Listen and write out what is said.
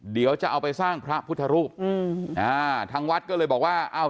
เดี๋ยวจะเอาไปสร้างพระพุทธรูปทางวัดก็เลยบอกว่า